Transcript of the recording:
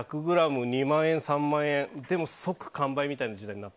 １００ｇ２万円、３万円で即完売みたいな時代。